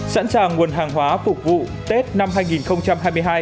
sẵn sàng nguồn hàng hóa phục vụ tết năm hai nghìn hai mươi hai